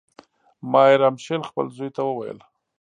مایر امشیل خپل زوی ته وویل.